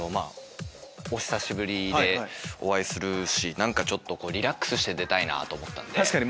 お久しぶりでお会いするしちょっとリラックスして出たいなと思ったんで。